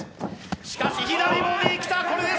しかし左ボディ、来た、これです！